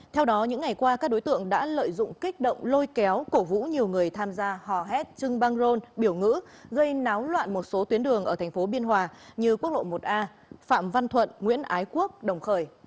theo đó những ngày qua các đối tượng đã lợi dụng kích động lôi kéo cổ vũ nhiều người tham gia hò hét trưng băng rôn biểu ngữ gây náo loạn một số tuyến đường ở tp biên hòa như quốc lộ một a phạm văn thuận nguyễn ái quốc đồng khởi